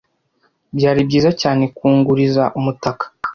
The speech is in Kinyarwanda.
Byari byiza cyane kunguriza umutaka.